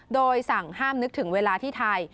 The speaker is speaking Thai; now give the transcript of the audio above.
โดยสั่งห้ามนึกถึงเวลาที่ไทย